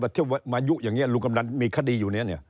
เที่ยวมายุอย่างนี้ลุงกำนันมีคดีอยู่เนี่ย